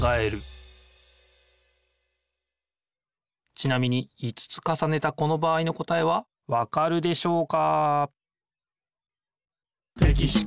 ちなみに５つかさねたこの場合の答えはわかるでしょうか？